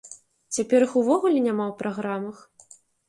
Цяпер іх увогуле няма ў праграмах?